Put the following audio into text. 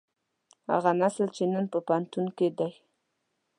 هغه نسل چې نن په پوهنتون کې دی.